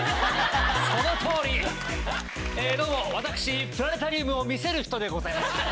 その通り！えどうも私プラネタリウムを見せる人でございます。